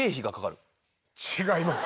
違います。